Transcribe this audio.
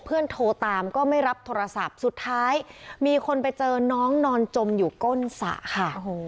โทรตามก็ไม่รับโทรศัพท์สุดท้ายมีคนไปเจอน้องนอนจมอยู่ก้นสระค่ะ